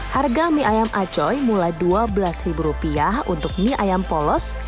harga mie ayam acoy mulai dua belas rupiah untuk mie ayam polos